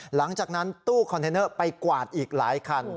หลังจากนั้นตู้คอนเทนเนอร์ไปกวาดอีกหลายคัน